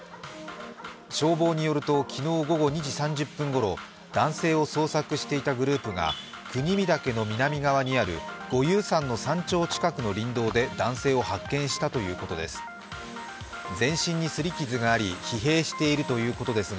消防によると昨日午後２時３０分ごろ男性を捜索していたグループが、国見岳の南側にある五勇山の山頂近くの林道で男性を発見したということです。